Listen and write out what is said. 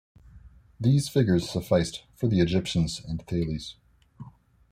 These figures sufficed for the Egyptians and Thales.